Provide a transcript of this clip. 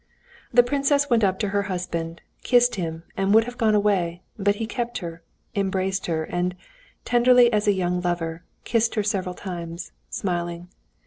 The princess went up to her husband, kissed him, and would have gone away, but he kept her, embraced her, and, tenderly as a young lover, kissed her several times, smiling.